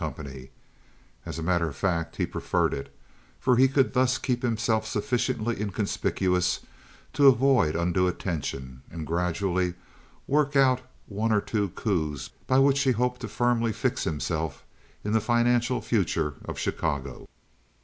—as a matter of fact, he preferred it; for he could thus keep himself sufficiently inconspicuous to avoid undue attention, and gradually work out one or two coups by which he hoped to firmly fix himself in the financial future of Chicago.